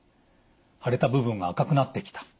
腫れた部分が赤くなってきた。